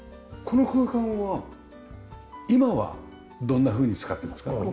この空間は今はどんなふうに使ってますか？